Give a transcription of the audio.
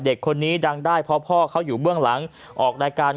เด็กคนนี้ดังได้เพราะพ่อเขาอยู่เบื้องหลังออกรายการ